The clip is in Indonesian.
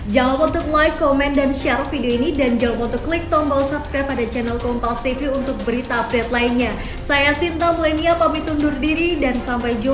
jalan jalan kemana mas